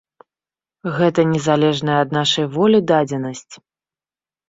Гэта не залежная ад нашай волі дадзенасць.